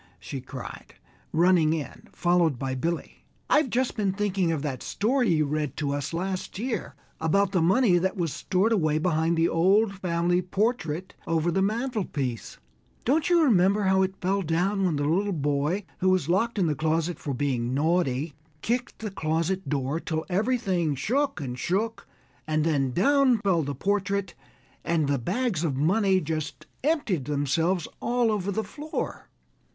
she cried, running in, followed by Billy, "I've just been thinking of that story you read to us last year about the money that was stored away behind the old family portrait over the mantelpiece. Don't you remember how it fell down when the little boy, who was locked in the closet for being naughty, kicked the closet door till everything shook and shook; and then down fell the portrait, and the bags of money just emptied themselves all over the floor?"